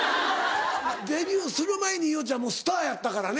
デビューする前に伊代ちゃんもうスターやったからね。